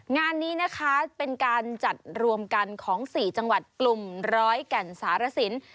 งานนี้นะคะเป็นการจัดรวมกันของ๔จังหวัดกลุ่มร้อยแก่นสารสิน